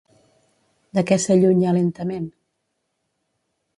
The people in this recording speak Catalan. De què s'allunya lentament?